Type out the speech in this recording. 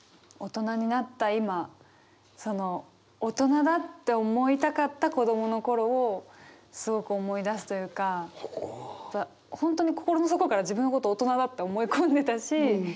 大人になった今その大人だって思いたかった子供の頃をすごく思い出すというか本当に心の底から自分のこと大人だって思い込んでたし。